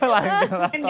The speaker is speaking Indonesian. lain generator ya